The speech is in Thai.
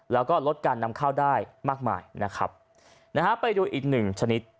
แล้วก็ลดการนำข้าวได้มากมายนะครับนะฮะไปดูอีกหนึ่งชนิด